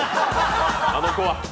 あの子は。